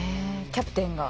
キャプテンが？